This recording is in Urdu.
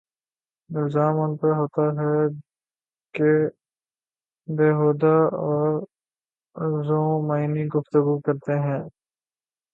الزام ان پہ ہوتاہے کہ بیہودہ اورذومعنی گفتگو کرتے ہیں۔